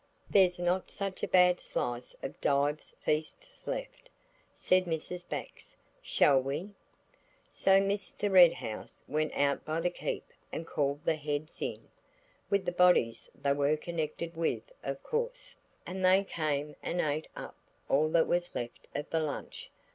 "There's not such a bad slice of Dives' feast left," said Mrs. Bax. "Shall we–?" So Mr. Red House went out by the keep and called the heads in (with the bodies they were connected with, of course), and they came and ate up all that was left of the lunch.